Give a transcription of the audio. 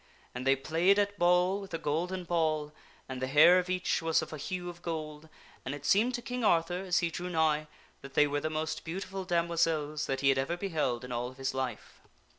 And they played at ball with a golden ball, and the hair of each was of the hue of gold, and it seemed to King Arthur, as he drew nigh, that they were the most beautiful damoiselles that he had ever beheld in all of his life.